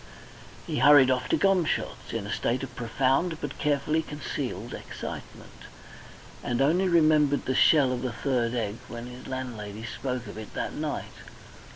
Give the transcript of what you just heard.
He hurried off to Gomshott's in a state of profound but carefully concealed excitement, and only remembered the shell of the third egg when his landlady spoke of it that night.